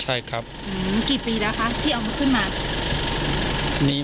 ใช่ครับกี่ปีแล้วคะที่เอามาขึ้นมา